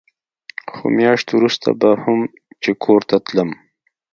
خو مياشت وروسته به هم چې کور ته تلم.